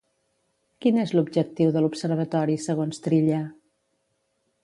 Quin és l'objectiu de l'observatori segons Trilla?